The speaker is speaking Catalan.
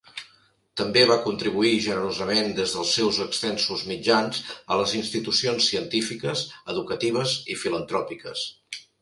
També va contribuir generosament des dels seus extensos mitjans a les institucions científiques, educatives i filantròpiques.